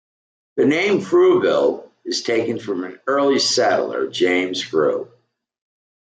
The name Frewville is taken from an early settler James Frew.